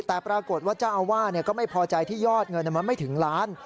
แต่ปรากฏว่าเจ้าอาวาสก็ไม่พอใจที่ยอดเงินมันไม่ถึงล้าน